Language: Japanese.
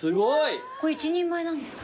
これ一人前なんですか？